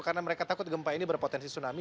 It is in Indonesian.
karena mereka takut gempa ini berpotensi tsunami